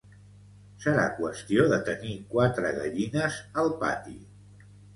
Serà qüestió de tenir quatre gallines al pati